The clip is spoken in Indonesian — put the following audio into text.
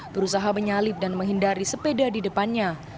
berusaha menyalip dan menghindari sepeda di depannya